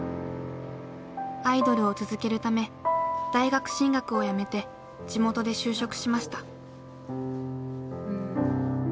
アイドルを続けるため大学進学をやめて地元で就職しました。